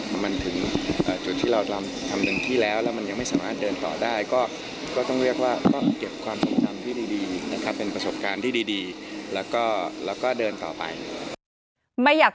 พอมันถึงจุดที่เราทำเต็มที่แล้วแล้วมันยังไม่สามารถเดินต่อได้ก็ต้องเรียกว่าต้องเก็บความทรงจำที่ดีนะครับเป็นประสบการณ์ที่ดีแล้วก็เดินต่อไป